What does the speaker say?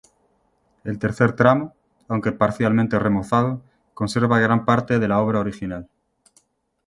El tercer tramo, aunque parcialmente remozado, conserva gran parte de la obra original.